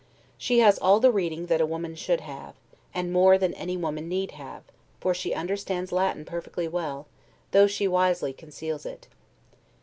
She has all the reading that a woman should have; and more than any woman need have; for she understands Latin perfectly well, though she wisely conceals it.